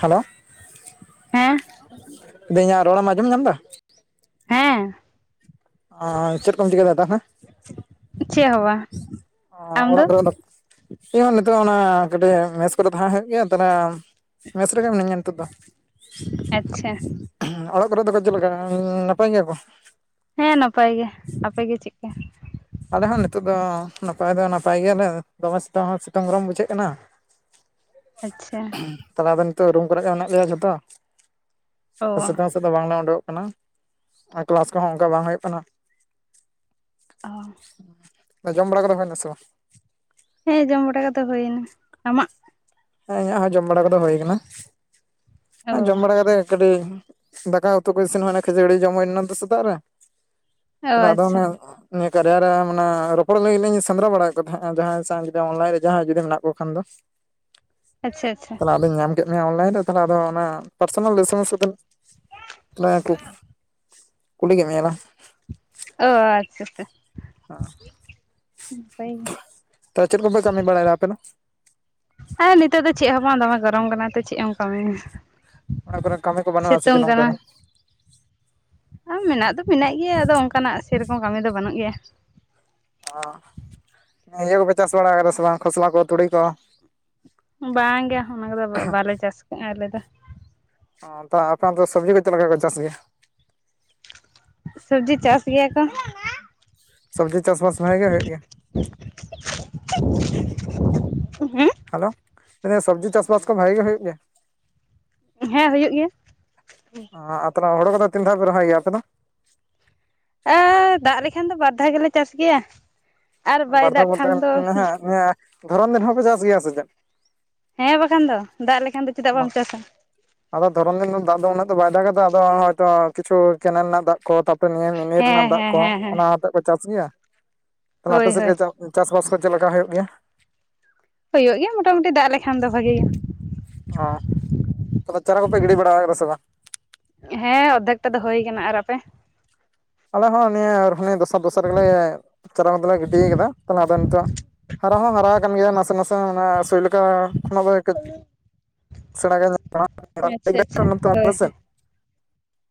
Hello ᱞᱟᱹᱭ ᱦᱮᱸ ᱫᱤᱧ ᱤᱧᱟᱹᱜ ᱨᱚᱲᱢ ᱟᱸᱡᱚᱢ ᱧᱟᱢ ᱮᱫᱟ? ᱦᱮᱸ ᱪᱮᱫ ᱠᱚᱢ ᱪᱤᱠᱟᱹ ᱭᱮᱫᱟ ᱛᱟᱦᱚᱞᱮ ᱪᱮᱫ ᱦᱚᱸ ᱵᱟᱝ ᱚᱲᱟᱜ ᱠᱚᱨᱮ ᱫᱚ ᱤᱧᱦᱚᱸ ᱱᱤᱛᱚᱜ ᱚᱱᱟ ᱠᱟᱹᱴᱤᱡ ᱢᱮᱥ ᱠᱚᱨᱮ ᱛᱟᱦᱮᱸ ᱦᱩᱭᱩᱜ ᱜᱮᱭᱟ ᱛᱟᱦᱚᱞᱮ ᱢᱮᱥ ᱨᱮᱜᱮ ᱢᱤᱱᱟᱹᱧᱟ ᱱᱤᱛᱚᱜ ᱫᱚ ᱟᱪᱪᱷᱟ ᱚᱲᱟᱜ ᱠᱚᱨᱮ ᱫᱚᱠᱚ ᱪᱮᱫ ᱞᱮᱠᱟ ᱱᱟᱯᱟᱭ ᱜᱮᱭᱟ ᱠᱚ? ᱦᱮᱸ ᱱᱟᱯᱟᱭ ᱜᱮ ᱟᱯᱮ ᱜᱮ᱾ ᱪᱮᱫ ᱞᱮᱠᱟ? ᱟᱞᱮ ᱦᱚᱸ ᱱᱤᱛᱳᱜ ᱫᱚ ᱱᱟᱯᱟᱭ ᱫᱚ ᱱᱟᱯᱟᱭ ᱜᱮᱭᱟᱞᱮ ᱫᱚᱢᱮ ᱥᱤᱛᱩᱝ ᱦᱚᱸ ᱥᱤᱛᱩᱝ ᱜᱚᱨᱚᱢ ᱵᱩᱡᱷᱟᱹᱜ ᱠᱟᱱᱟ᱾ [inaudible] ᱟᱪᱪᱷᱟ ᱛᱟᱞᱟ ᱫᱚ ᱱᱤᱛᱚᱜ ᱨᱩᱢ ᱠᱚᱨᱮ ᱜᱮ ᱢᱮᱱᱟᱜ ᱞᱮᱭᱟ ᱡᱷᱚᱛᱚ ᱚ ᱥᱮᱛ ᱱᱤᱛᱚᱜ ᱫᱚ ᱵᱟᱝᱞᱮ ᱩᱰᱩᱠᱚᱜ ᱠᱟᱱᱟ ᱟᱨ ᱠᱮᱞᱟᱥ ᱠᱚᱦᱚᱸ ᱚᱱᱠᱟ ᱵᱟᱝ ᱦᱩᱭᱩᱜ ᱠᱟᱱᱟ ᱚ ᱡᱚᱢ ᱵᱟᱲᱟ ᱠᱚᱫᱚ ᱦᱩᱭᱱᱟ ᱥᱮ ᱵᱟᱝ? ᱦᱮᱸ ᱡᱚᱢ ᱵᱟᱲᱟ ᱠᱚᱫᱚ ᱦᱚᱭᱮᱱᱟ᱾ ᱮᱱᱟ ᱟᱢᱟᱜ? ᱦᱮᱸ ᱤᱧᱟᱹᱜ ᱦᱚᱸ ᱡᱚᱢ ᱵᱟᱲᱟ ᱠᱚᱫᱚ ᱦᱩᱭᱩᱭᱟ ᱟᱠᱟᱱᱟ ᱚ ᱡᱚᱢ ᱵᱟᱲᱟ ᱠᱟᱛᱮ ᱠᱟᱹᱴᱤᱡ ᱫᱟᱠᱟ ᱩᱛᱩ ᱠᱚ ᱤᱥᱤᱱ ᱦᱩᱭᱱᱟ ᱠᱷᱟᱹᱡᱟᱹᱲᱤ ᱡᱚᱢ ᱦᱩᱭᱱᱟ ᱛᱚ ᱥᱮᱛᱟᱜ ᱨᱮ ᱚ ᱛᱟᱦᱮ ᱟᱪᱪᱷᱟ ᱟᱫᱚᱱᱮ ᱱᱤᱭᱟᱹ ᱠᱟᱨᱭᱟ ᱨᱮ ᱢᱟᱱᱮ ᱨᱚᱯᱚᱲ ᱞᱟᱹᱜᱤᱫ ᱞᱤᱧ ᱥᱮᱸᱫᱽᱨᱟ ᱵᱟᱲᱟᱭᱮᱫ ᱠᱚ ᱛᱟᱦᱮᱸᱫ ᱡᱟᱦᱟᱸᱭ ᱥᱟᱶ ᱡᱩᱫᱤ ᱚᱱᱞᱟᱭᱤᱱ ᱨᱮ ᱡᱟᱦᱟᱸᱭ ᱡᱩᱫᱤ ᱢᱮᱱᱟᱜ ᱠᱚ ᱠᱷᱟᱱ ᱫᱚ ᱟᱪᱪᱷᱟ ᱟᱪᱪᱷᱟ ᱛᱟᱦᱚᱞᱮ ᱟᱫᱚᱧ ᱧᱟᱢ ᱠᱮᱫ ᱢᱮᱭᱟ ᱚᱱᱞᱟᱭᱤᱱ ᱨᱮ ᱛᱟᱦᱚᱞᱮ ᱟᱫᱚ ᱚᱱᱟ ᱯᱟᱨᱥᱚᱱᱟᱞ ᱮᱥᱤᱢᱮᱱᱥ ᱠᱟᱛᱮ ᱞᱟ. ᱭ ᱠᱩ ᱠᱩᱞᱤ ᱠᱮᱫ ᱢᱮᱧᱟ ᱞᱟᱝ ᱚ ᱟᱪᱷᱟ ᱛᱚ ᱛᱚ ᱪᱮᱫ ᱠᱚᱯᱮ ᱠᱟᱹᱢᱤ ᱵᱟᱲᱟᱭᱮᱫᱚ ᱟᱯᱮ ᱫᱚ ᱦᱮᱸ ᱱᱤᱛᱚᱜ ᱫᱚ ᱪᱮᱫ ᱦᱚᱸ ᱵᱟᱝ ᱫᱚᱢᱮ ᱜᱚᱨᱚᱢ ᱠᱟᱱᱟ ᱪᱮᱫ ᱦᱚᱸ ᱮᱢ ᱠᱟᱹᱢᱤᱭᱟ? ᱚᱲᱟᱜ ᱠᱚᱨᱮ ᱠᱟᱹᱢᱤ ᱠᱚ ᱵᱟᱹᱱᱩᱜᱼᱟ ᱥᱮ ᱥᱤᱛᱩᱝ ᱡᱮᱱᱚᱝᱠᱟ ᱠᱟᱱᱟ ᱫᱚ ᱢᱮᱱᱟᱜ ᱫᱚ ᱢᱮᱱᱟᱜ ᱜᱮᱭᱟ ᱟᱫᱚ ᱚᱱᱠᱟᱱᱟᱜ ᱥᱮᱨᱚᱠᱚᱢ ᱠᱟᱹᱢᱤ ᱫᱚ ᱵᱟᱹᱱᱩᱜ ᱜᱮᱭᱟ᱾ ᱚ ᱤᱭᱟᱹ ᱠᱚᱯᱮ ᱪᱟᱥ ᱵᱟᱲᱟ ᱠᱟᱫᱟ ᱥᱮ ᱵᱟᱝ ᱠᱷᱚᱥᱞᱟ ᱠᱚ ᱛᱩᱲᱤ ᱠᱚ? ᱵᱟᱝ ᱜᱮᱭᱟ ᱚᱱᱟ ᱠᱚᱫᱚ ᱵᱟᱞᱮ ᱪᱟᱥ ᱠᱟᱜᱼᱟ ᱟᱞᱮ ᱫᱚ ᱟᱯᱮ ᱚᱱᱛᱮ ᱫᱚ ᱥᱚᱵᱡᱤ ᱠᱚ ᱪᱮᱫ ᱞᱮᱠᱟ ᱠᱚ ᱪᱟᱥ ᱜᱮᱭᱟ? ᱥᱚᱵᱽᱡᱤ ᱪᱟᱥ ᱜᱮᱭᱟ ᱠᱚ ᱥᱚᱵᱽᱡᱤ ᱪᱟᱥᱵᱟᱥ ᱵᱷᱟᱜᱤ ᱜᱮ ᱦᱩᱭᱩᱜ ᱜᱮᱭᱟ ᱦᱮᱸ ᱦᱮᱞᱳ ᱥᱚᱵᱽᱡᱤ ᱪᱟᱥᱵᱟᱥ ᱠᱚ ᱵᱷᱟᱜᱤ ᱜᱮ ᱦᱩᱭᱩᱜ ᱜᱮᱭᱟ? ᱦᱮᱸ ᱦᱩᱭᱩᱜ ᱜᱮᱭᱟ᱾ ᱦᱩᱲᱩ ᱠᱚ ᱫᱚ ᱛᱤᱱ ᱫᱷᱟᱣ ᱯᱮ ᱨᱚᱦᱚᱭ ᱯᱮ ᱟᱯᱮ ᱫᱚ ᱮᱻ ᱫᱟᱜ ᱞᱮᱠᱷᱟᱱ ᱫᱚ ᱵᱟᱨ ᱫᱷᱟᱣ ᱜᱮᱞᱮ ᱪᱟᱥ ᱜᱮᱭᱟ ᱟᱨ ᱵᱟᱭ ᱫᱟᱜ ᱠᱷᱟᱱ ᱫᱚ ᱱᱚᱣᱟ ᱫᱷᱚᱨᱚᱱ ᱫᱤᱱ ᱦᱚᱸᱯᱮ ᱪᱟᱥ ᱜᱮᱭᱟ ᱥᱮ ᱪᱮᱫ? ᱦᱮᱸ ᱵᱟᱠᱷᱟᱱ ᱫᱚ ᱫᱟᱜ ᱞᱮᱠᱷᱟᱱ ᱫᱚ ᱪᱮᱫᱟᱜ ᱵᱟᱢ ᱪᱟᱥᱟ ᱟᱫᱚ ᱫᱷᱚᱨᱚᱱ ᱫᱤᱱ ᱫᱟᱜ ᱫᱚ ᱩᱱᱟᱹᱜ ᱫᱚ ᱵᱟᱭ ᱫᱟᱜ ᱠᱟᱫᱟ ᱟᱫᱚ ᱠᱤᱪᱷᱩ ᱠᱮᱱᱮᱞ ᱨᱮᱱᱟᱜ ᱫᱟᱜ ᱠᱚ ᱛᱟᱯᱚᱨᱮ ᱱᱤᱨ ᱦᱮᱸ ᱨᱮᱱᱟᱜ ᱫᱟᱜ ᱦᱮᱸ ᱠᱚ ᱦᱮᱸ ᱦᱮᱸ ᱚᱱᱟ ᱦᱚᱛᱮᱫ ᱯᱮ ᱪᱟᱥ ᱜᱮᱭᱟ ᱛᱟᱦᱚᱞᱮ ᱟᱯᱮ ᱦᱳᱭ ᱥᱮᱫ ᱦᱳᱭ ᱜᱮ ᱪᱟᱥᱵᱟᱥ ᱠᱚ ᱪᱮᱫ ᱞᱮᱠᱟ ᱦᱩᱭᱩᱜ ᱜᱮᱭᱟ? ᱦᱩᱭᱩᱜ ᱜᱮᱭᱟ ᱢᱚᱴᱟᱢᱩᱴᱤ ᱫᱟᱜ ᱞᱮᱠᱷᱟᱱ ᱫᱚ ᱵᱷᱟᱜᱤ ᱜᱮᱭᱟ ᱚᱻ ᱛᱚᱵᱮ ᱪᱟᱨᱟ ᱠᱚᱯᱮ ᱜᱤᱰᱤ ᱵᱟᱲᱟ ᱥᱮ ᱵᱟᱝ? ᱦᱮᱸ ᱚᱫᱷᱮᱠ ᱴᱟᱜ ᱫᱚ ᱦᱳᱭ ᱠᱟᱱᱟ᱾ ᱟᱨ ᱟᱯᱮ? ᱟᱞᱮ ᱦᱚᱸ ᱱᱤᱭᱟᱹ ᱟᱨᱤᱭᱟᱹ ᱫᱚᱥᱟᱨ ᱫᱚᱥᱟᱨ ᱜᱮᱞᱮ ᱪᱟᱨᱟ ᱠᱟᱛᱮᱞᱮ ᱜᱤᱰᱤᱭ ᱠᱟᱫᱟ ᱛᱟᱦᱞᱮ ᱟᱫᱚ ᱱᱤᱛᱚᱜ ᱦᱟᱨᱟ ᱦᱚᱸ ᱦᱟᱨᱟ ᱟᱠᱟᱱ ᱜᱮᱭᱟ ᱱᱟᱥᱮ ᱱᱟᱥᱮ ᱚᱱᱟ ᱥᱩᱭ ᱞᱮᱠᱟ ᱠᱷᱚᱱᱟᱜ [inaudible] [unintelligible] ᱟᱪᱪᱷᱟ ᱟᱪᱪᱷᱟ ᱦᱳᱭ ᱥᱮᱱ ᱦᱳᱭ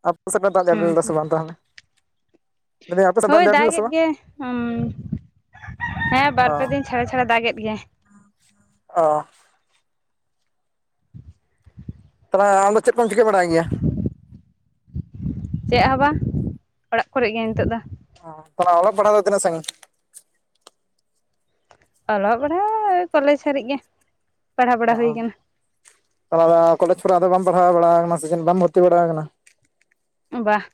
ᱟᱯᱮ ᱥᱮᱫ ᱯᱮ ᱫᱟᱜ ᱡᱟᱲᱤ ᱦᱩᱸ ᱞᱮᱫᱟ ᱥᱮ ᱦᱩᱸ ᱵᱟᱝ ᱛᱟᱦᱚᱞᱮ? ᱞᱟᱹᱭᱫᱟᱹᱧ ᱟᱯᱮ ᱥᱮᱫ ᱫᱟᱜ ᱦᱳᱭ ᱡᱟᱹᱲᱤ ᱞᱮᱫᱟ ᱥᱮ ᱫᱟᱜᱮᱫ ᱵᱟᱝ ᱜᱮᱭᱟᱭ ᱦᱩᱸ ᱦᱮᱸ ᱚ ᱵᱟᱨ ᱯᱮ ᱫᱤᱱ ᱪᱷᱟᱲᱟ ᱪᱷᱟᱲᱟ ᱫᱟᱜᱮᱫ ᱜᱮᱭᱟᱭ᱾ ᱚ ᱟᱢᱫᱚ ᱪᱮᱫ ᱠᱚᱢ ᱪᱤᱠᱟᱹ ᱵᱟᱲᱟᱭ ᱜᱮᱭᱟ? ᱪᱮᱫ ᱦᱚᱸ ᱵᱟᱝ ᱚᱲᱟᱜ ᱠᱚᱨᱮᱜ ᱜᱮ ᱱᱤᱛᱚᱜ ᱫᱚ᱾ ᱚ ᱛᱟᱦᱚᱞᱮ ᱚᱞᱚᱜ ᱯᱟᱲᱦᱟᱜ ᱫᱚ ᱛᱤᱱᱟᱹᱜ ᱥᱟᱸᱜᱤᱧ? ᱚᱞᱚᱜ ᱯᱟᱲᱦᱟᱣ ᱠᱚᱞᱮᱡᱽ ᱦᱟᱹᱨᱤᱡ ᱜᱮ᱾ ᱯᱟᱲᱦᱟᱣ ᱵᱟᱲᱟ ᱚ ᱦᱩᱭ ᱠᱟᱱᱟ ᱛᱟᱦᱚᱞᱮ ᱠᱚᱞᱮᱡᱽ ᱠᱚᱨᱮ ᱟᱫᱚ ᱵᱟᱢ ᱯᱟᱲᱦᱟᱣ ᱵᱟᱲᱟᱣ ᱟᱠᱟᱱᱟ ᱥᱮ ᱪᱮᱫ ᱵᱟᱢ ᱵᱷᱚᱨᱛᱤ ᱵᱟᱲᱟᱣ ᱟᱠᱟᱱᱟ᱾ ᱵᱟᱦ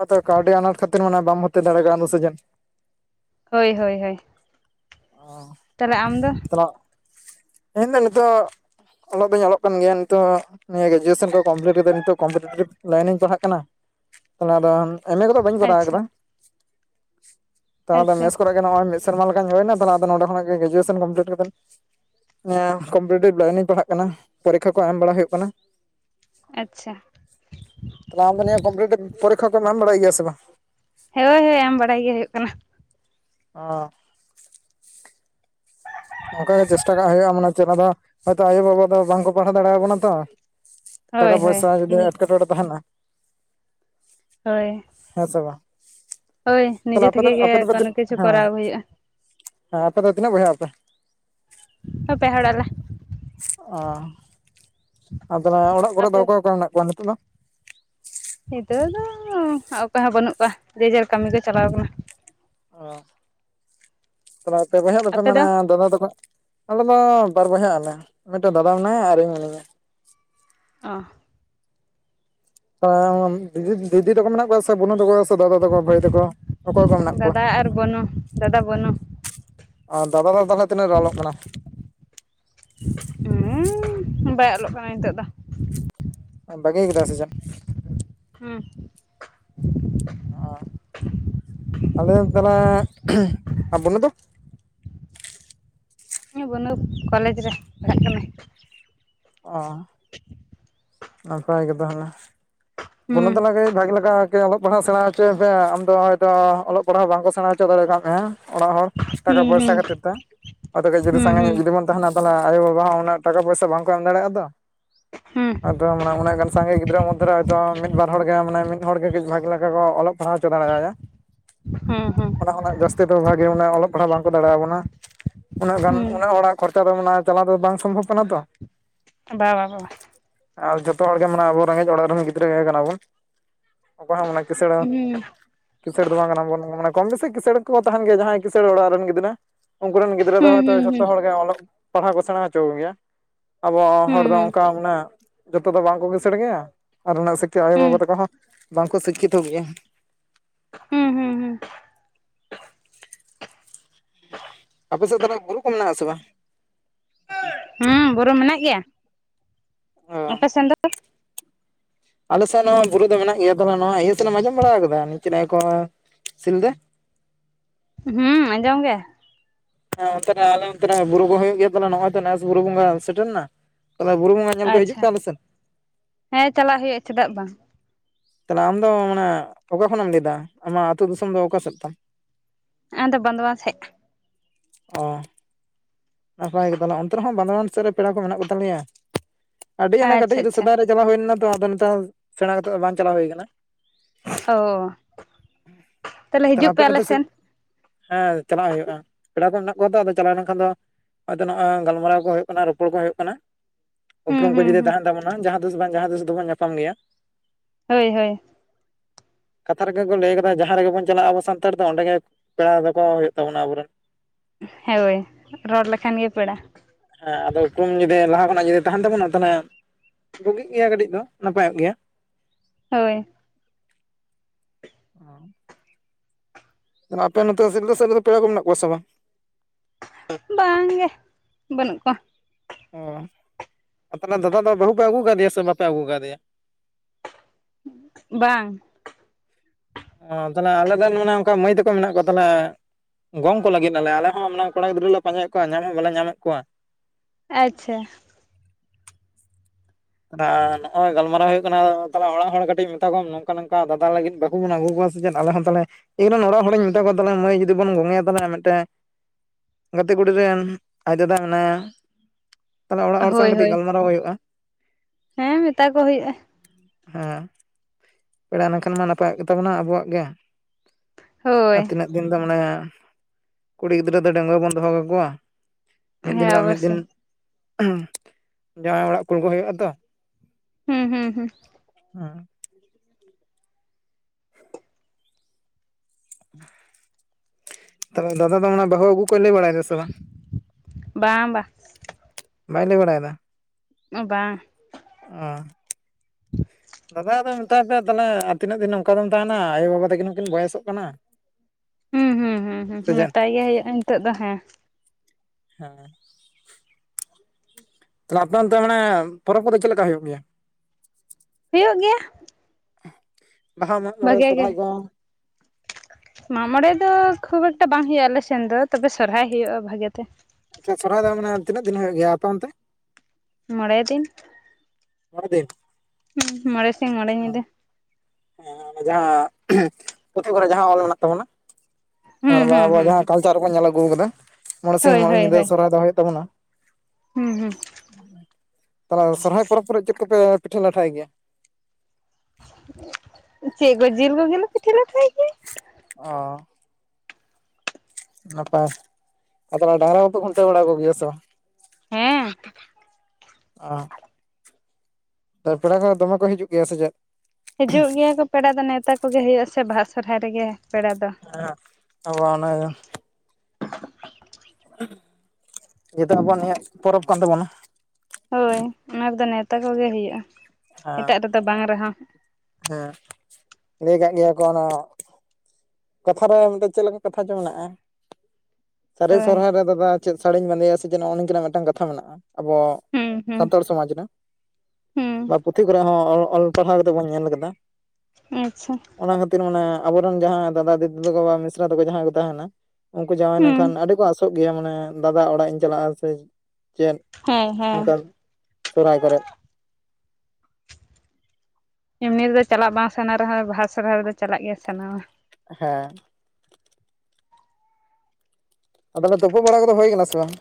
ᱚ ᱛᱚ ᱠᱟᱹᱣᱰᱤ ᱟᱱᱟᱴ ᱠᱷᱟᱹᱛᱤᱨ ᱢᱟᱱᱮ ᱵᱟᱢ ᱵᱷᱚᱨᱛᱤ ᱫᱟᱲᱮ ᱠᱟᱣᱫᱟ ᱥᱤᱡᱮᱫᱽ? ᱦᱳᱭ ᱦᱳᱭ ᱦᱳᱭ ᱚ ᱛᱟᱦᱚᱞᱮ ᱟᱢ ᱫᱚ? ᱛᱟᱦᱚᱞᱮ, ᱤᱧ ᱫᱚ ᱱᱤᱛᱚᱜ ᱚᱞᱚᱜ ᱫᱚᱧ ᱚᱞᱚᱜ ᱠᱟᱱ ᱜᱮᱭᱟ ᱱᱤᱛᱚᱜ ᱦᱚᱸ ᱱᱤᱭᱟᱹ ᱜᱨᱮᱡᱩᱭᱮᱥᱚᱱ ᱠᱚ ᱠᱚᱢᱯᱞᱤᱴ ᱠᱮᱫᱟ ᱱᱤᱛᱚᱜ ᱠᱚᱢᱯᱤᱴᱮᱴᱤᱵᱷ ᱞᱟᱭᱤᱱ ᱤᱧ ᱯᱟᱲᱦᱟᱜ ᱠᱟᱱᱟ, ᱚᱱᱟ ᱫᱚ ᱮᱢ ᱮ ᱠᱚᱫᱚ ᱵᱟᱹᱧ ᱠᱚᱨᱟᱣ ᱟᱪᱪᱷᱟ ᱟᱠᱟᱫᱟ, ᱫᱚ ᱟᱪᱪᱷᱟ ᱢᱮᱥ ᱠᱚᱨ ᱜᱮ ᱱᱚᱜᱚᱭ ᱢᱤᱫ ᱥᱮᱨᱢᱟ ᱞᱮᱠᱟᱧ ᱦᱩᱭᱮᱱᱟ, ᱟᱫᱚ ᱱᱚᱸᱰᱮ ᱠᱷᱚᱱᱟᱜ ᱜᱮ ᱜᱨᱮᱡᱩᱭᱮᱥᱚᱱ ᱠᱚᱢᱯᱞᱤᱴ ᱠᱟᱛᱮᱫ ᱠᱚᱢᱯᱤᱴᱮᱴᱤᱵᱷ ᱞᱟᱭᱤᱱᱤᱝ ᱯᱟᱲᱦᱟᱜ ᱠᱟᱱᱟ ᱯᱚᱨᱤᱠᱠᱷᱟ ᱠᱚ ᱮᱢ ᱵᱟᱲᱟ ᱦᱩᱭᱩᱜ ᱠᱟᱱᱟ᱾ ᱟᱪᱪᱷᱟ ᱛᱟᱦᱞᱮ ᱟᱢ ᱫᱚ ᱱᱤᱭᱟᱹ ᱠᱚᱢᱯᱞᱤᱴᱮᱴ ᱯᱚᱨᱤᱠᱠᱷᱟ ᱠᱚᱢ ᱮᱢ ᱵᱟᱲᱟᱭ ᱜᱮᱭᱟ ᱥᱮ ᱵᱟᱝ? ᱦᱮᱸ ᱦᱮᱸ ᱮᱢ ᱵᱟᱲᱟᱭ ᱜᱮ ᱦᱩᱭᱩᱜ ᱠᱟᱱᱟ᱾ ᱚ ᱚᱱᱠᱟ ᱜᱮ ᱪᱮᱥᱴᱟ ᱠᱟᱜ ᱦᱩᱭᱩᱜᱼᱟ ᱢᱟᱱᱮ ᱪᱮᱫ ᱚᱱᱟᱫᱚ ᱦᱚᱭ ᱛᱳ ᱟᱭᱳᱼᱵᱟᱵᱟ ᱫᱚ ᱵᱟᱝ ᱠᱚ ᱯᱟᱲᱦᱟᱣ ᱫᱟᱲᱮᱭᱟᱵᱚᱱᱟ ᱛᱚ ᱴᱟᱠᱟ ᱦᱳᱭ ᱦᱳᱭ ᱯᱚᱭᱥᱟ ᱡᱩᱫᱤ ᱮᱴᱠᱮᱴᱚᱬᱮ ᱛᱟᱸᱦᱮᱱᱟ, ᱦᱳᱭ ᱦᱮᱸ ᱥᱮ ᱵᱟᱝ? ᱦᱳᱭ ᱱᱤᱡᱮ ᱛᱟᱦᱚᱞᱮ ᱛᱷᱮᱠᱮ ᱜᱮ ᱟᱯᱮ ᱫᱚ ᱟᱯᱮ ᱫᱚᱯᱮ ᱠᱳᱱᱳ ᱛᱤᱱᱟᱹᱜ ᱠᱤᱪᱷᱩ ᱦᱮᱸ ᱠᱚᱨᱟᱣ ᱦᱩᱭᱩᱜᱼᱟ᱾ ᱟᱯᱮ ᱫᱚ ᱛᱤᱱᱟᱹᱜ ᱵᱚᱭᱦᱟᱜ ᱟᱯᱮ? ᱯᱮ ᱦᱚᱲ ᱟᱞᱮ᱾ ᱚ ᱟᱫᱚ ᱛᱟᱦᱚᱞᱮ ᱚᱲᱟᱜ ᱠᱚᱨᱮ ᱫᱚ ᱟᱯᱮ ᱚᱠᱚᱭ ᱚᱠᱚᱭ ᱢᱮᱱᱟᱜ ᱠᱚᱣᱟ ᱱᱤᱛᱳᱜ ᱫᱚ? ᱱᱤᱛᱚᱜ ᱫᱚ ᱚᱠᱚᱭ ᱦᱚᱸ ᱵᱟᱹᱱᱩᱜ ᱠᱚᱣᱟ, ᱡᱮᱡᱟᱨ ᱠᱟᱹᱢᱤ ᱠᱚ ᱪᱟᱞᱟᱣ ᱠᱟᱱᱟ᱾ ᱚ ᱛᱟᱦᱚᱞᱮ ᱟᱯᱮ ᱵᱚᱭᱦᱟ ᱫᱚᱯᱮ ᱟᱯᱮ ᱢᱟᱱᱮ ᱫᱚ ᱫᱟᱫᱟ ᱛᱟᱠᱚ ᱟᱞᱮ ᱫᱚ ᱵᱟᱨ ᱵᱚᱭᱦᱟᱜ ᱟᱞᱮ ᱢᱤᱫᱴᱮᱱ ᱫᱟᱫᱟ ᱢᱮᱱᱟᱭᱟ ᱟᱨ ᱤᱧ ᱢᱤᱱᱟᱹᱧᱟ᱾ ᱚ [inaudible] ᱫᱤᱫᱤ ᱛᱟᱠᱚ ᱢᱮᱱᱟᱜ ᱠᱚᱣᱟ ᱥᱮ ᱵᱩᱱᱩ ᱛᱟᱠᱚ ᱥᱮ ᱫᱟᱫᱟ ᱛᱟᱠᱚ ᱵᱷᱟᱹᱭ ᱛᱟᱠᱚ? ᱚᱠᱚᱭ ᱠᱚ ᱢᱮᱱᱟᱜ ᱠᱚᱣᱟ ᱫᱟᱫᱟ ᱟᱨ ᱵᱚᱱᱚ ᱫᱟᱫᱟ ᱵᱚᱱᱚ᱾ ᱟᱨ ᱫᱟᱫᱟ ᱫᱚ ᱛᱟᱦᱚᱞᱮ ᱛᱤᱱᱟᱹᱜ ᱨᱮ ᱚᱞᱚᱜ ᱠᱟᱱᱟ ᱦᱩᱸ ᱵᱟᱭ ᱚᱞᱚᱜ ᱠᱟᱱᱟ ᱱᱤᱛᱚᱜ ᱫᱚ ᱵᱟᱹᱜᱤ ᱠᱟᱫᱟᱭ ᱥᱮ ᱪᱮᱫ ᱦᱩᱸ ᱚ ᱟᱫᱚ ᱛᱷᱟᱞᱮ ᱵᱩᱱᱩ ᱫᱚ? ᱩᱸ ᱵᱩᱱᱩ ᱠᱚᱞᱮᱡᱽ ᱨᱮ ᱯᱟᱲᱦᱟᱜ ᱠᱟᱱᱟᱭ᱾ ᱚ ᱱᱟᱯᱟᱭ ᱜᱮ ᱛᱟᱦᱚᱞᱮ ᱵᱚᱱᱩ ᱦᱩᱸ ᱫᱚ [inaudible] ᱵᱷᱟᱜᱮ ᱞᱟᱜᱟᱜᱼᱟ ᱠᱤ ᱚᱞᱚᱜ ᱯᱟᱲᱦᱟᱣ ᱥᱮᱬᱟ ᱚᱪᱚᱭᱮ ᱯᱮ ᱟᱢᱫᱚ ᱦᱚᱭᱛᱚ ᱚᱞᱚᱜ ᱯᱟᱲᱦᱟᱣ ᱵᱟᱝ ᱠᱚ ᱥᱮᱬᱟ ᱦᱚᱪᱚ ᱫᱟᱲᱮᱭ ᱟᱠᱟᱫ ᱢᱮᱭᱟ᱾ ᱚᱲᱟᱜ ᱦᱚᱲ ᱴᱟᱠᱟ ᱯᱚᱭᱥᱟ ᱦᱩᱸ ᱠᱷᱟᱹᱛᱤᱨ ᱛᱮ, ᱟᱫᱚ ᱦᱩᱸ ᱜᱮᱡᱩᱨᱤᱥᱟᱝ ᱦᱩᱸ ᱦᱟᱹᱵᱤᱡ ᱦᱩᱸ ᱡᱩᱫᱤ ᱵᱚᱱ ᱛᱟᱸᱦᱮᱱᱟ ᱛᱟᱞᱦᱮ ᱟᱭᱳ ᱵᱟᱵᱟ ᱦᱚᱸ ᱩᱱᱟ. ᱜ ᱴᱟᱠᱟ ᱯᱚᱭᱥᱟ ᱵᱟᱝᱠᱚ ᱮᱢ ᱫᱟᱲᱮᱭᱟᱜ ᱫᱚ᱾ ᱦᱩᱸ ᱟᱫᱚ ᱢᱚᱱᱮ ᱩᱱᱟᱹᱜ ᱜᱟᱱ ᱥᱟᱺᱜᱮ ᱜᱤᱫᱽᱨᱟᱹ ᱢᱩᱫ ᱨᱮ ᱦᱚᱭ ᱛᱚ ᱢᱤᱫ ᱵᱟᱨ ᱦᱚᱲ ᱜᱮ ᱢᱟᱱᱮ ᱢᱤᱫ ᱦᱚᱲ ᱜᱮ ᱠᱟ. ᱡ ᱵᱷᱟᱹᱜᱤ ᱞᱮᱠᱟ ᱠᱚ ᱚᱞᱚᱜ ᱯᱟᱲᱦᱟᱣ ᱦᱚᱪᱚ ᱫᱟᱲᱮᱟᱭᱟᱭᱟ ᱦᱩᱸ ᱦᱩᱸ ᱩᱱᱟᱹᱜ ᱡᱟᱹᱥᱛᱤ ᱫᱚ ᱵᱷᱟᱹᱜᱤ ᱚᱞᱚᱜ ᱯᱟᱲᱦᱟᱜ ᱵᱟᱝ ᱫᱟᱲᱟᱭᱟᱵᱚᱱᱟ ᱩᱱᱟᱹᱜ ᱜᱟᱱ ᱦᱩᱸ ᱩᱱᱟ. ᱜ ᱦᱚᱲᱟᱜ ᱠᱷᱚᱨᱪᱟ ᱫᱚ ᱢᱟᱱᱮ ᱪᱟᱞᱟᱣ ᱫᱚ ᱵᱟᱝ ᱥᱚᱢᱵᱷᱚᱵ ᱠᱟᱱᱟ ᱛᱚ ᱵᱟ ᱵᱟ ᱵᱟ ᱵᱟ ᱟᱨ ᱡᱚᱛᱚ ᱦᱚᱲ ᱜᱮ ᱢᱟᱱᱮ ᱟᱵᱚ ᱨᱮᱸᱜᱮᱡ ᱚᱲᱟᱜ ᱨᱮᱱ ᱜᱤᱫᱽᱨᱟᱹ ᱜᱮ ᱠᱟᱱᱟ ᱵᱚᱱ ᱚᱠᱚᱭ ᱦᱚᱸ ᱩᱱᱟ. ᱠᱤᱥᱟᱹᱬ ᱦᱩᱸ ᱦᱩᱸ ᱠᱤᱥᱟᱹᱲ ᱫᱚ ᱵᱟᱝ ᱠᱟᱱᱟ ᱵᱚᱱ ᱢᱟᱱᱮ ᱠᱚᱢ ᱵᱮᱥᱤ ᱠᱤᱸᱥᱟᱹᱬ ᱠᱚ ᱛᱟᱦᱮᱸᱱ ᱜᱮᱭᱟ ᱡᱟᱦᱟᱸᱭ ᱠᱤᱥᱟᱹᱬ ᱚᱲᱟᱜ ᱨᱮᱱ ᱜᱤᱫᱽᱨᱟᱹ ᱩᱱᱠᱩ ᱨᱮᱱ ᱜᱤᱫᱽᱨᱟᱹ ᱫᱚ ᱦᱩᱸ ᱦᱚᱭᱛᱚ ᱦᱩᱸ ᱦᱩᱸ ᱡᱷᱚᱛᱚ ᱦᱚᱲ ᱜᱮ ᱚᱞᱚᱜ ᱯᱟᱲᱦᱟᱣ ᱠᱚ ᱥᱮᱬᱟ ᱦᱚᱪᱚ ᱠᱚ ᱜᱮᱭᱟ ᱟᱵᱚ ᱦᱚᱲ ᱫᱚ ᱦᱩᱸ ᱚᱱᱠᱟ ᱢᱟᱱᱮ ᱡᱚᱛᱚ ᱫᱚ ᱵᱟᱝ ᱠᱚ ᱠᱤᱥᱟᱹᱬ ᱜᱮᱭᱟ ᱟᱨ ᱚᱱᱟ. ᱥᱤᱠᱷᱟ. ᱟᱭᱳ ᱦᱩᱸ ᱵᱟᱵᱟ ᱛᱟᱠᱚ ᱦᱚᱸ ᱵᱟᱝᱠᱚ ᱥᱤᱠᱠᱷᱤᱛᱚ ᱜᱮᱭᱟ ᱦᱩᱸ ᱦᱩᱸ ᱦᱩᱸ ᱟᱯᱮ ᱥᱮᱫ ᱫᱚ ᱛᱟᱦᱚᱞᱮ ᱵᱩᱨᱩ ᱠᱩ ᱢᱮᱱᱟᱜᱼᱟ ᱥᱮ ᱵᱟᱝ ᱦᱩᱸ ᱵᱚᱨᱩ ᱢᱮᱱᱟᱜ ᱜᱮᱭᱟ ᱚ ᱟᱯᱮ ᱥᱮᱱ ᱫᱚ ᱟᱞᱮ ᱥᱮᱱ ᱦᱚᱸ ᱵᱩᱨᱩ ᱫᱚ ᱢᱮᱱᱟᱜ ᱜᱮᱭᱟ ᱛᱚᱞᱦᱮ ᱱᱚᱣᱟ ᱤᱭᱟᱹ ᱥᱮᱱᱟᱜ ᱮᱢ ᱟᱸᱡᱚᱢ ᱵᱟᱲᱟ ᱟᱠᱟᱫᱟ ᱪᱤ ᱱᱮᱭ ᱠᱚ ᱥᱤᱞᱫᱟᱹ ᱦᱩᱸ ᱟᱡᱚᱢ ᱜᱮ ᱦᱮ ᱚᱱᱛᱮ ᱱᱟᱜ ᱟᱞᱮ ᱚᱱᱛᱮ ᱱᱟᱜ ᱵᱩᱨᱩᱠᱩ ᱦᱩᱭᱩᱜ ᱜᱮᱭᱟ ᱱᱚᱜᱼᱚᱭ ᱛᱚ ᱱᱮᱥ ᱵᱩᱨᱩ ᱵᱚᱸᱜᱟ ᱥᱮᱴᱮᱨᱱᱟ ᱛᱟᱞᱦᱮ ᱵᱩᱨᱩ ᱵᱚᱸᱜᱟ ᱧᱮᱞ ᱠᱚ ᱦᱤᱡᱩᱜ ᱟᱪᱪᱷᱟ ᱯᱮ ᱟᱞᱮ ᱥᱮᱫ ᱦᱮᱸ ᱪᱟᱞᱟᱜ ᱦᱩᱭᱩᱜᱼᱟ ᱪᱮᱫᱟᱜ ᱵᱟᱝ ᱛᱟᱦᱚᱞᱮ ᱟᱢᱫᱚ ᱢᱟᱱᱮ ᱚᱠᱟ ᱠᱷᱚᱱᱟᱜ ᱮᱢ ᱞᱟᱹᱭ ᱮᱫᱟ ᱟᱢᱟᱜ ᱟᱛᱳ ᱫᱤᱥᱚᱢ ᱫᱚ ᱚᱠᱟ ᱥᱮᱫ ᱛᱟᱢ? ᱟᱫᱚ ᱵᱟᱸᱫᱣᱟᱱ ᱥᱮᱫ ᱚ ᱱᱟᱯᱟᱭ ᱜᱮ ᱛᱟᱦᱚᱞᱮ ᱚᱱᱛᱮ ᱨᱮᱦᱚᱸ ᱦᱚᱸ ᱵᱟᱸᱫᱣᱟᱱ ᱥᱮᱫ ᱨᱮ ᱯᱮᱲᱟ ᱠᱚ ᱢᱮᱱᱟᱜ ᱠᱚ ᱛᱟᱞᱮᱭᱟ ᱟᱹᱰᱤ ᱟᱱᱟ ᱠᱟᱹᱴᱤᱡ ᱟᱪᱪᱷᱟ ᱨᱮ ᱟᱪᱪᱷᱟ ᱥᱮᱫᱟᱭ ᱨᱮ ᱪᱟᱞᱟᱣ ᱦᱳᱭ ᱞᱮᱱᱟ ᱛᱚ ᱟᱫᱚ ᱱᱮᱛᱟᱨ ᱥᱮᱬᱟ ᱠᱟᱛᱮ ᱵᱟᱝ ᱪᱟᱞᱟᱣ ᱦᱩᱭ ᱟᱠᱟᱱᱟ ᱚ ᱛᱟᱞᱦᱮ ᱛᱟᱦᱚᱞᱮ ᱦᱤᱡᱩᱜ ᱟᱯᱮ ᱯᱮ ᱟᱞᱮ ᱱᱚᱛᱮ ᱥᱮᱫ ᱥᱮᱱ ᱦᱮᱸ ᱪᱟᱞᱟᱜ ᱦᱩᱭᱩᱜᱼᱟ ᱯᱮᱲᱟ ᱠᱚ ᱢᱮᱱᱟᱜ ᱠᱚᱣᱟ ᱛᱚ ᱟᱫᱚ ᱪᱟᱞᱟᱣ ᱞᱮᱱᱠᱷᱟᱱ ᱫᱚ ᱟᱫᱚ ᱱᱚᱜᱼᱚᱭ ᱜᱟᱞᱢᱟᱨᱟᱣ ᱠᱚ ᱦᱩᱭᱩᱜ ᱠᱟᱱᱟ ᱨᱚᱯᱚᱲ ᱠᱚ ᱦᱩᱭᱩᱜ ᱠᱟᱱᱟ ᱦᱩᱸ ᱩᱯᱨᱩᱢ ᱠᱩ ᱦᱩᱸ ᱡᱩᱫᱤ ᱦᱩᱸ ᱛᱟᱦᱮᱸᱱ ᱛᱟᱵᱚᱱᱟ ᱡᱟᱦᱟᱸ ᱛᱤᱥ ᱵᱟᱝ ᱡᱟᱦᱟᱸ ᱛᱤᱥ ᱫᱚᱵᱚᱱ ᱧᱟᱯᱟᱢ ᱜᱮᱭᱟ ᱦᱳᱭ ᱦᱳᱭ ᱠᱟᱛᱷᱟ ᱨᱮᱜᱮ ᱠᱚ ᱞᱟᱹᱭ ᱟᱠᱟᱫᱟ ᱡᱟᱦᱟᱸ ᱨᱮᱜᱮ ᱵᱚᱱ ᱪᱟᱞᱟᱜᱼᱟ ᱟᱵᱚ ᱥᱟᱱᱛᱟᱲ ᱫᱚ ᱚᱸᱰᱮ ᱜᱮ ᱯᱮᱲᱟ ᱫᱚᱠᱚ ᱦᱩᱭᱩᱜ ᱛᱟᱵᱚᱱᱟ ᱟᱵᱚ ᱨᱮᱱ ᱦᱳᱭ ᱨᱚᱲ ᱞᱮᱠᱷᱟᱱ ᱜᱮ ᱯᱮᱲᱟ ᱦᱮᱸ ᱟᱫᱚ ᱩᱯᱩᱨᱩᱢ ᱡᱩᱫᱤ ᱞᱟᱦᱟ ᱠᱷᱚᱱᱟᱜ ᱡᱩᱫᱤ ᱛᱟᱦᱮᱸᱱ ᱛᱟᱵᱚᱱᱟ ᱛᱟᱦᱚᱞᱮ ᱵᱩᱜᱤᱜ ᱜᱮᱭᱟ ᱠᱟᱹᱴᱤᱡ ᱫᱚ ᱱᱟᱯᱟᱭᱚᱜ ᱜᱮᱭᱟ ᱦᱳᱭ [unintelligible] ᱟᱯᱮ ᱱᱚᱛᱮ ᱥᱤᱞᱫᱟ. ᱥᱮᱫ ᱨᱮᱫᱚ ᱯᱮᱲᱟ ᱠᱚ ᱢᱮᱱᱟᱜ ᱠᱚᱣᱟ ᱥᱮ ᱵᱟᱝ ᱵᱟᱝᱜᱮ ᱵᱟᱹᱱᱩᱜ ᱠᱚᱣᱟ ᱚ ᱛᱟᱦᱚᱞᱮ ᱫᱟᱫᱟ ᱫᱚ ᱵᱟᱹᱦᱩ ᱯᱮ ᱟᱹᱜᱩ ᱟᱠᱟᱣᱫᱮᱭᱟ ᱥᱮ ᱵᱟᱯᱮ ᱟᱹᱜᱩ ᱟᱠᱟᱣᱫᱮᱭᱟ ᱵᱟᱝ ᱚᱸ ᱛᱟᱞᱚᱦᱮ ᱟᱞᱮᱫᱚ ᱢᱟᱱᱮ ᱚᱱᱠᱟ ᱢᱟᱹᱭ ᱛᱟᱠᱚ ᱢᱮᱱᱟᱜ ᱠᱚᱣᱟ ᱛᱟᱦᱚᱞᱮ ᱜᱚᱝ ᱠᱚ ᱞᱟᱹᱜᱤᱜ ᱟᱞᱮᱞᱮ ᱦᱚᱸ ᱢᱟᱱᱮ ᱠᱚᱲᱟ ᱜᱤᱫᱽᱨᱟᱹ ᱞᱮ ᱯᱟᱸᱡᱟᱭᱮᱜ ᱠᱚᱣᱟ ᱧᱟᱢ ᱦᱚᱸ ᱵᱟᱞᱮ ᱧᱟᱢᱮᱜ ᱠᱚᱣᱟ᱾ ᱟᱪᱪᱷᱟ [unintelligible] ᱱᱚᱜᱼᱚᱭ ᱜᱟᱞᱢᱟᱨᱟᱣ ᱦᱩᱭᱩᱜ ᱠᱟᱱᱟ ᱛᱟᱞᱦᱮ ᱚᱲᱟᱜ ᱦᱚᱲ ᱦᱚ ᱠᱟᱹᱴᱤᱜ ᱢᱮᱛᱟ ᱠᱚᱢ ᱱᱚᱝᱠᱟ ᱱᱚᱝᱠᱟ ᱫᱟᱫᱟ ᱞᱟᱹᱜᱤᱫ ᱵᱟᱹ ᱦᱩ ᱵᱩᱱ ᱟᱹᱜᱩ ᱠᱚᱣᱟ ᱥᱮ ᱪᱮᱜ ᱟᱞᱮ ᱦᱚᱸ ᱛᱟᱦᱚᱞᱮ ᱤᱧᱨᱮᱱ ᱚᱲᱟᱜ ᱦᱚᱲᱤᱧ ᱢᱮᱛᱟ ᱠᱚᱣᱟ ᱛᱚᱦᱚᱞᱮ ᱢᱟᱹᱭ ᱡᱩᱫᱤ ᱵᱚᱱ ᱜᱚᱝ ᱮᱭᱟ ᱛᱟᱦᱚᱞᱮ ᱢᱤᱫᱴᱮᱡ ᱜᱟᱛᱮ ᱠᱩᱲᱤ ᱨᱮᱱ ᱟᱡ ᱫᱟᱫᱟ ᱢᱮᱱᱟᱭᱟ ᱛᱟᱞᱦᱮ ᱚᱲᱟᱜ ᱦᱚᱲ ᱥᱟᱶ ᱦᱳᱭ ᱠᱟᱹᱴᱤᱡ ᱦᱳᱭ ᱜᱟᱞᱢᱟᱨᱟᱣ ᱦᱩᱭᱩᱜᱼᱟ ᱦᱮᱸ ᱢᱮᱛᱟ ᱠᱚ ᱦᱩᱭᱩᱜᱼᱟ ᱦᱮᱸ ᱯᱮᱲᱟ ᱞᱮᱱᱠᱷᱟᱱ ᱢᱟ ᱱᱟᱯᱟᱭᱚᱜ ᱜᱮᱛᱟ ᱵᱚᱱᱟ ᱟᱵᱚᱣᱟᱜ ᱜᱮ ᱦᱳᱭ ᱟᱨ ᱛᱤᱱᱟᱹᱜ ᱫᱤᱱ ᱫᱚ ᱢᱟᱱᱮ ᱠᱩᱲᱤ ᱜᱤᱫᱽᱨᱟᱹ ᱫᱚ ᱰᱮᱝᱜᱩᱣᱟᱹ ᱵᱚᱱ ᱫᱚᱦᱚ ᱠᱟᱠᱚᱣᱟ ᱢᱤᱫ ᱦᱮᱸ ᱫᱤᱱ ᱵᱟᱝ ᱢᱤᱫ ᱫᱤᱱ ᱚᱵᱚᱥᱥᱳᱭ ᱡᱟᱶᱟᱭ ᱚᱲᱟᱜ ᱠᱩᱞ ᱠᱚ ᱦᱩᱭᱩᱜᱼᱟ ᱛᱚ ᱦᱩᱸ ᱦᱩᱸ ᱦᱩᱸ ᱦᱮᱸ ᱛᱚᱵᱮ ᱫᱟᱫᱟ ᱫᱚ ᱚᱱᱟ ᱵᱟᱦᱩ ᱟᱜᱩ ᱠᱚᱭ ᱞᱟᱹᱭ ᱵᱟᱲᱟᱭ ᱫᱟ ᱥᱮ ᱵᱟᱝ ᱵᱟᱝ ᱵᱟ ᱵᱟᱭ ᱞᱮᱭ ᱵᱟᱲᱟᱭᱫᱟ ᱵᱟᱝ ᱚ ᱫᱟᱫᱟ ᱟᱫᱚ ᱢᱮᱛᱟᱭ ᱯᱮ ᱛᱟᱦᱚᱞᱮ ᱟᱨ ᱛᱤᱱᱟᱹᱜ ᱫᱤᱱ ᱱᱚᱝᱠᱟ ᱫᱚᱢ ᱛᱟᱦᱮᱱᱟ ᱟᱭᱳᱼᱵᱟᱵᱟ ᱛᱟᱹᱠᱤᱱ ᱦᱚᱸ ᱠᱤᱱ ᱵᱚᱭᱮᱥᱚᱜ ᱠᱟᱱᱟ᱾ ᱦᱩᱸ ᱦᱩᱸ ᱦᱩᱸ ᱥᱮ ᱦᱩᱸ ᱪᱮᱫ ᱢᱮᱛᱟᱭ ᱜᱮ ᱦᱩᱭᱩᱜᱼᱟ᱾ ᱱᱤᱛᱚᱜ ᱫᱚ ᱦᱮᱸ ᱦᱮᱸ ᱛᱟᱞᱚᱦᱮ ᱟᱯᱮ ᱚᱱᱛᱮ ᱢᱟᱱᱮ ᱯᱚᱨᱚᱵᱽ ᱠᱚᱫᱚ ᱪᱮᱜ ᱞᱮᱠᱟ ᱦᱩᱭᱩᱜ ᱜᱮᱭᱟ? ᱦᱩᱭᱩᱜ ᱜᱮᱭᱟ᱾ ᱵᱟᱦᱟ ᱢᱟᱜᱽ ᱢᱚᱬᱮ ᱥᱚᱨᱦᱟᱭ ᱠᱚ ᱢᱟᱜᱽ ᱢᱚᱬᱮ ᱫᱚ ᱠᱷᱩᱵ ᱮᱠᱴᱟ ᱵᱟᱝ ᱦᱩᱭᱩᱜᱼᱟ, ᱟᱞᱮ ᱥᱮᱱ ᱫᱚ᱾ ᱛᱚᱵᱮ ᱥᱚᱨᱦᱟᱭ ᱦᱩᱭᱩᱜᱼᱟ ᱵᱷᱟᱜᱮ ᱛᱮ ᱟᱪᱪᱷᱟ᱾ ᱥᱚᱨᱦᱟᱭ ᱫᱚ ᱢᱟᱱᱮ ᱛᱤᱱᱟᱹᱜ ᱫᱤᱱ ᱦᱩᱭᱩᱜ ᱜᱮᱭᱟ ᱟᱯᱮ ᱚᱱᱛᱮ ᱢᱚᱬᱮ ᱫᱤᱱ ᱢᱚᱬᱮ ᱫᱤᱱ ᱢᱚᱬᱮ ᱥᱤᱧ ᱢᱚᱬᱮ ᱧᱤᱫᱟᱹ ᱦᱮᱸ ᱚᱱᱟ ᱡᱟᱦᱟᱸ ᱯᱩᱛᱷᱤ ᱠᱚᱨᱮ ᱡᱟᱦᱟᱸ ᱚᱞ ᱢᱮᱱᱟᱜ ᱛᱟᱵᱚᱱᱟ᱾ ᱦᱩᱸ ᱟᱨ ᱚᱱᱟ ᱦᱩᱸ ᱟᱵᱚᱣᱟᱜ ᱦᱩᱸ ᱡᱟᱦᱟᱸ ᱠᱟᱞᱪᱟᱨᱵᱚ ᱧᱮᱞ ᱟᱹᱜᱩ ᱟᱠᱟᱫᱟ ᱢᱚᱬᱮ ᱥᱤᱧ ᱦᱳᱭ ᱢᱚᱬᱮ ᱦᱳᱭ ᱧᱤᱫᱟᱹ ᱦᱳᱭ ᱥᱚᱨᱦᱟᱭ ᱫᱚ ᱦᱩᱭᱩᱜ ᱛᱟᱵᱚᱱᱟ᱾ ᱦᱩᱸ ᱦᱩᱸ ᱛᱟᱦᱚᱞᱮ ᱥᱚᱨᱦᱟᱭ ᱯᱚᱨᱚᱵᱽ ᱠᱚᱨᱮ ᱪᱮᱫ ᱠᱚᱯᱮ ᱯᱤᱴᱷᱟᱹ ᱞᱟᱴᱷᱟᱭ ᱜᱮᱭᱟ? ᱪᱮᱫ ᱠᱚ ᱡᱤᱞ ᱠᱚᱜᱮᱞᱮ ᱯᱤᱴᱷᱟᱹ ᱞᱮᱠᱟᱭ ᱜᱮᱭᱟ᱾ ᱚ ᱱᱟᱯᱟᱭ᱾ ᱛᱚᱵᱮ ᱰᱟᱝᱨᱟ ᱠᱚᱯᱮ ᱠᱷᱩᱱᱴᱟᱹᱣ ᱵᱟᱲᱟ ᱠᱚᱜᱮᱭᱟ ᱥᱮ ᱵᱟᱝ ᱦᱮᱸ ᱚ ᱟᱨ ᱯᱮᱲᱟ ᱠᱚᱦᱚ ᱫᱚᱢᱮ ᱠᱚ ᱦᱤᱡᱩᱜ ᱜᱮᱭᱟ ᱥᱮ ᱪᱮᱫ? ᱦᱤᱡᱩᱜ ᱜᱮᱭᱟ ᱠᱚ ᱯᱮᱲᱟ ᱫᱚ ᱱᱮᱣᱛᱟ ᱠᱚᱜᱮ ᱦᱩᱭᱩᱜᱟ ᱥᱮ ᱵᱟᱦᱟ ᱥᱚᱦᱨᱟᱭ ᱨᱮᱜᱮ ᱯᱮᱲᱟ ᱫᱚ᱾ [unintelligible] ᱡᱮᱦᱩᱛᱩ ᱟᱵᱚᱣᱟᱜ ᱱᱤᱭᱟᱹ ᱯᱚᱨᱚᱵ ᱠᱟᱱ ᱛᱟᱵᱚᱱᱟ ᱦᱳᱭ ᱚᱱᱟ ᱨᱮᱫᱚ ᱱᱮᱣᱛᱟ ᱠᱚᱜᱮ ᱦᱩᱭᱩᱜᱼᱟ ᱦᱮᱸ ᱮᱴᱟᱜ ᱨᱮᱫᱚ ᱵᱟᱝ ᱨᱮᱦᱚᱸ ᱦᱮᱸ ᱞᱟᱹᱭ ᱠᱟᱜ ᱜᱮᱭᱟ ᱠᱚ ᱚᱱᱟ ᱠᱟᱛᱷᱟ ᱨᱮ ᱢᱤᱫᱴᱮᱱ ᱪᱮᱫ ᱞᱮᱠᱟ ᱠᱟᱛᱷᱟ ᱪᱚ ᱢᱮᱱᱟᱜᱼᱟ, ᱥᱟᱹᱨᱤ ᱦᱳᱭ ᱥᱚᱨᱦᱟᱭ ᱨᱮ ᱫᱟᱫᱟ ᱪᱮᱫ ᱥᱟᱹᱲᱤᱧ ᱵᱟᱸᱫᱮᱭᱟ ᱥᱮᱪᱮᱫ ᱱᱚᱜᱼᱚ ᱱᱤᱝᱠᱟᱱᱟᱜ ᱢᱤᱫᱴᱟᱝ ᱠᱟᱛᱷᱟ ᱢᱮᱱᱟᱜᱼᱟ ᱟᱵᱚ ᱦᱩᱸ ᱦᱩᱸ ᱥᱟᱱᱛᱟᱲ ᱥᱚᱢᱟᱡᱽ ᱨᱮ ᱵᱟ ᱦᱩᱸ ᱯᱩᱛᱷᱤ ᱠᱚᱨᱮ ᱦᱚᱸ ᱚᱞ ᱯᱟᱲᱦᱟᱣ ᱠᱟᱛᱮᱫ ᱵᱚᱱ ᱧᱮᱞ ᱟᱠᱟᱫᱟ ᱟᱪᱪᱷᱟ ᱚᱱᱟ ᱠᱷᱟᱹᱛᱤᱨ ᱢᱟᱱᱮ ᱟᱵᱚᱨᱮᱱ ᱡᱟᱦᱟᱸ ᱫᱟᱫᱟ ᱫᱤᱫᱤ ᱛᱟᱠᱚ ᱵᱟ ᱢᱤᱥᱨᱟ ᱛᱟᱠᱚ ᱡᱟᱦᱟᱸᱭ ᱠᱚ ᱛᱟᱦᱮᱱᱟ ᱩᱱᱠᱩ ᱡᱟᱶᱟᱭ ᱞᱮᱱᱠᱷᱟᱱ ᱦᱩᱸ ᱟᱹᱰᱤ ᱠᱚ ᱟᱥᱚᱜ ᱜᱮᱭᱟ ᱢᱟᱱᱮ ᱫᱟᱫᱟ ᱚᱲᱟᱜ ᱤᱧ ᱪᱟᱞᱟᱜᱼᱟ ᱥᱮ ᱪᱮᱫ ᱦᱮᱸ ᱦᱮᱸ ᱱᱚᱝᱠᱟᱱ ᱥᱚᱦᱨᱟᱭ ᱠᱚᱨᱮᱫ ᱮᱢᱱᱤ ᱨᱮᱫᱚ ᱪᱟᱞᱟᱜ ᱵᱟᱝ ᱥᱟᱱᱟ ᱨᱮᱦᱚᱸ ᱵᱟᱦᱟ ᱥᱚᱦᱚᱨᱟᱭ ᱨᱮᱫᱚ ᱪᱟᱞᱟᱜ ᱜᱮ ᱥᱟᱱᱟᱣᱟ᱾ ᱦᱮᱸ ᱟᱫᱚ ᱞᱮ ᱛᱩᱯᱩ ᱵᱟᱲᱟ ᱠᱚᱫᱚ ᱦᱳᱭ ᱠᱟᱱᱟ ᱥᱮ ᱵᱟᱝ?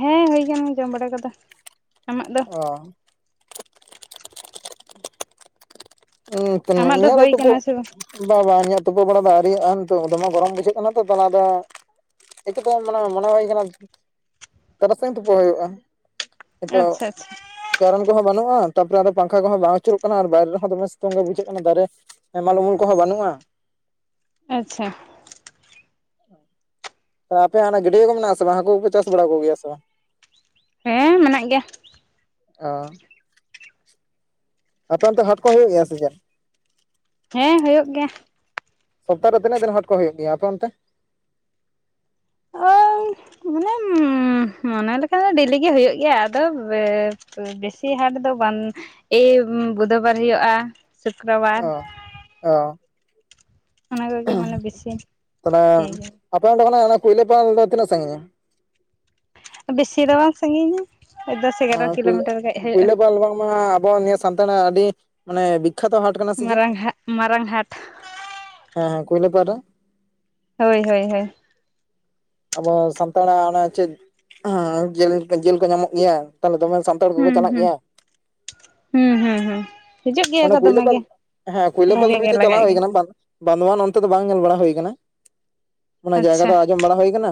ᱦᱮᱸ ᱦᱩᱭ ᱠᱟᱱᱟ ᱡᱚᱢ ᱵᱟᱲᱟ ᱠᱚᱫᱚ᱾ ᱟᱢᱟᱜ ᱫᱚ ᱚ ᱦᱩᱸ ᱟᱢᱟᱜ ᱤᱧᱟ ᱫᱚ ᱦᱩᱭ ᱛᱩᱯᱩ ᱠᱟᱱᱟ ᱥᱮ ᱵᱟᱝ ᱵᱟ ᱵᱟᱝ ᱤᱧᱟᱹᱜ ᱛᱩᱯᱩ ᱵᱟᱲᱟ ᱫᱚ ᱟᱹᱣᱨᱤᱼᱟ ᱛᱚ ᱫᱚᱢᱮ ᱜᱚᱨᱚᱢ ᱵᱩᱡᱷᱟᱹᱜ ᱠᱟᱱᱟ ᱛᱚ ᱛᱟᱦᱚᱞᱮ ᱟᱫᱚ ᱮᱠᱮᱛᱮ ᱢᱟᱱᱮ ᱢᱚᱱᱮ ᱦᱩᱭ ᱠᱟᱱᱟ ᱛᱟᱨᱟᱥᱤᱧ ᱛᱳᱯᱳ ᱦᱩᱭᱩᱜᱼᱟ ᱱᱤᱛᱚᱜ ᱟᱪᱪᱷᱟ ᱟᱪᱪᱷᱟ ᱠᱟᱨᱮᱱ ᱠᱚᱦᱚᱸ ᱵᱟᱹᱱᱩᱜᱼᱟ ᱛᱟᱯᱚᱨᱮ ᱯᱟᱝᱠᱷᱟ ᱠᱚᱦᱚᱸ ᱵᱟᱝ ᱟᱹᱪᱩᱨᱚᱜ ᱠᱟᱱᱟ ᱟᱨ ᱵᱟᱭᱨᱮ ᱨᱮᱦᱚᱸ ᱫᱚᱢᱮ ᱥᱤᱛᱩᱝ ᱜᱮ ᱵᱩᱡᱷᱟᱹᱜ ᱠᱟᱱᱟ ᱫᱟᱨᱮᱹ ᱦᱮᱢᱟᱞ ᱩᱢᱩᱞ ᱠᱚᱦᱚᱸ ᱵᱟᱹᱱᱩᱜᱼᱟ᱾ ᱟᱪᱪᱷᱟ ᱦᱳᱭ [unintelligible] ᱟᱯᱮ ᱦᱟᱱᱟ ᱜᱟᱹᱰᱭᱟᱹ ᱠᱚ ᱢᱮᱱᱟᱜᱼᱟ ᱥᱮ ᱵᱟᱝ ᱦᱟᱹᱠᱩ ᱠᱚᱯᱮ ᱪᱟᱥ ᱵᱟᱲᱟ ᱠᱚᱜᱮᱭᱟ ᱥᱮ ᱵᱟᱝ? ᱦᱮᱸ ᱢᱮᱱᱟᱜ ᱜᱮᱭᱟ᱾ ᱚ ᱟᱯᱮ ᱚᱱᱛᱮ ᱦᱟᱴ ᱠᱚ ᱦᱩᱭᱩᱜ ᱜᱮᱭᱟ ᱥᱮ ᱪᱮᱫ ᱦᱮᱸ ᱦᱩᱭᱩᱜ ᱜᱮᱭᱟ ᱥᱚᱯᱛᱟ ᱨᱮ ᱛᱤᱱᱟᱹᱜ ᱜᱟᱱ ᱦᱟᱴ ᱠᱚ ᱦᱩᱭᱩᱜ ᱜᱮᱭᱟ ᱟᱯᱮ ᱚᱱᱛᱮ? ᱚ ᱢᱟᱱᱮ [inaudible] ᱢᱚᱱᱮ ᱞᱮᱠᱷᱟᱱ ᱫᱚ ᱰᱮᱞᱤᱜ ᱜᱮ ᱦᱩᱭᱩᱜ ᱜᱮᱭᱟ ᱟᱫᱚ ᱵᱮᱥᱤ ᱦᱟᱴ ᱫᱚ ᱵᱟᱝ ᱮ ᱵᱩᱫᱷᱚ ᱵᱟᱨ ᱦᱩᱭᱩᱜᱼᱟ᱾ ᱥᱩᱠᱨᱚᱵᱟᱨ ᱚ ᱚ ᱚᱱᱟ ᱠᱚᱜᱮ ᱢᱟᱱᱮ ᱵᱮᱥᱤ ᱛᱟᱦᱚᱞᱮ ᱤᱭᱟᱹ ᱜᱮ ᱟᱯᱮ ᱚᱸᱰᱮᱠᱷᱚᱱᱟᱜ ᱚᱱᱟ ᱠᱩᱭᱞᱟᱹ ᱯᱟᱞ ᱫᱚ ᱛᱤᱱᱟᱹᱜ ᱥᱟᱺᱜᱤᱧᱟ ᱵᱮᱥᱤ ᱫᱚ ᱵᱟᱝ ᱥᱟᱺᱜᱤᱧᱟ ᱫᱚᱥ ᱮᱜᱟᱨᱚ ᱠᱤᱞᱳᱢᱤᱴᱟᱨ ᱜᱟᱱ ᱦᱩᱭᱩᱜᱼᱟ ᱠᱩᱭᱞᱟᱹᱯᱟᱞ ᱵᱟᱝ ᱢᱟ ᱟᱵᱚ ᱱᱤᱭᱟᱹ ᱥᱟᱱᱛᱟᱲᱟᱜ ᱟᱹᱰᱤ ᱢᱟᱱᱮ ᱵᱤᱠᱠᱷᱟᱛᱚ ᱦᱟᱴ ᱠᱟᱱᱟ ᱥᱮ ᱪᱮᱫ? ᱢᱟᱨᱟᱝ ᱦᱟ ᱢᱟᱨᱟᱝ ᱦᱟᱴ ᱦᱮᱸ ᱦᱮᱸ ᱠᱩᱭᱞᱟᱹᱯᱟᱞ ᱨᱮ ᱦᱳᱭ ᱦᱳᱭ ᱦᱳᱭ ᱟᱵᱚ ᱥᱟᱱᱛᱟᱲᱟᱜ ᱚᱱᱟ ᱪᱮᱫ ᱡᱤᱞ ᱠᱚ ᱧᱟᱢᱚᱜ ᱜᱮᱭᱟ ᱛᱟᱦᱞᱮ ᱫᱚᱢᱮ ᱥᱟᱱ ᱦᱩᱸ ᱦᱩᱸ ᱦᱩᱸ ᱦᱩᱸ ᱦᱩᱸ ᱦᱤᱡᱩᱜ ᱜᱮᱭᱟ ᱢᱟᱱᱮ ᱠᱚ ᱫᱚᱢᱮ ᱠᱩᱭᱞᱟᱹᱯᱟᱞ ᱜᱮ ᱦᱮᱸ ᱠᱩᱭᱞᱟᱹᱯᱟᱞ ᱵᱷᱟᱜᱮ ᱫᱷᱟᱹᱵᱤᱡᱽ ᱜᱮ ᱛᱮ ᱪᱟᱞᱟᱣ ᱞᱟᱜᱟᱜ ᱦᱩᱭ ᱜᱮᱭᱟ ᱠᱟᱱᱟ ᱵᱟᱝ ᱵᱟᱸᱱᱫᱚᱣᱟᱱ ᱚᱱᱛᱮ ᱫᱚ ᱵᱟᱝ ᱧᱮᱞ ᱵᱟᱲᱟ ᱦᱩᱭ ᱟᱠᱟᱱᱟ ᱚᱱᱟ ᱡᱟᱭᱜᱟ ᱟᱪᱪᱷᱟ ᱫᱚ ᱟᱸᱡᱚᱢ ᱵᱟᱲᱟ ᱦᱩᱭ ᱟᱠᱟᱱᱟ᱾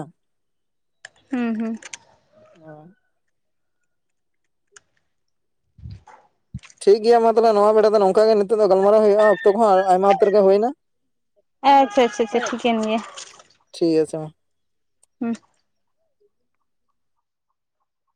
ᱦᱩᱸ ᱦᱩᱸ ᱚ [inaudible] ᱴᱷᱤᱠ ᱜᱮᱭᱟ ᱢᱟ ᱛᱟᱦᱚᱞᱮ ᱱᱚᱣᱟ ᱵᱮᱲᱟ ᱫᱚ ᱱᱚᱝᱠᱟ ᱜᱮ ᱱᱤᱛᱚᱜ ᱫᱚ ᱜᱟᱞᱢᱟᱨᱟᱣ ᱦᱩᱭᱩᱜᱼᱟ ᱚᱠᱛᱚ ᱠᱚᱦᱚᱸ ᱟᱭᱢᱟ ᱩᱛᱟᱹᱨ ᱨᱮ ᱜᱮ ᱦᱩᱭᱮᱱᱟ᱾ ᱟᱪᱪᱷᱟ ᱟᱪᱪᱷᱟ ᱴᱷᱤᱠᱮᱱ ᱜᱮᱭᱟ᱾ ᱴᱷᱤᱠ ᱟᱪᱷᱮ ᱢᱟ ᱦᱩᱸ